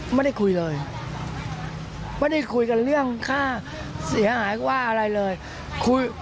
ไม่ได้คุยเลยไม่ได้คุยกันเรื่องค่าเสียหายค่าอะไรเลย